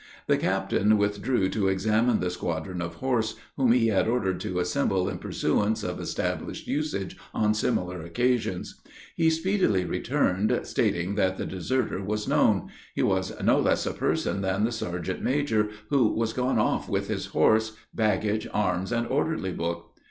The captain withdrew to examine the squadron of horse, whom he had ordered to assemble in pursuance of established usage on similar occasions. He speedily returned, stating that the deserter was known; he was no less a person than the sergeant major, who was gone off with his horse, baggage, arms, and orderly book.